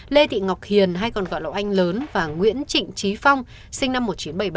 lê thị ngọc hiền hay còn gọi lộ anh lớn và nguyễn trịnh trí phong sinh năm một nghìn chín trăm bảy mươi ba